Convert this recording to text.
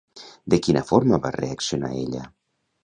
De quina forma va reaccionar ella?